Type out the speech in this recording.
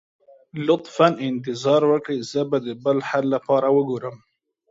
لطفا انتظار وکړئ، زه به د بل حل لپاره وګورم.